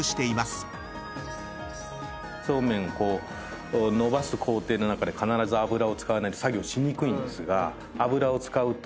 そうめんを延ばす工程の中で必ず油を使わないと作業しにくいんですが。